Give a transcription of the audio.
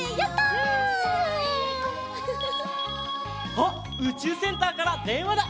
あっうちゅうセンターからでんわだ！